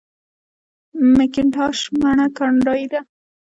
مکینټاش مڼه کاناډايي ده.